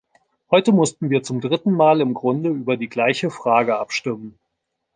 Heute mussten wir zum dritten Mal im Grunde über die gleiche Frage abstimmen.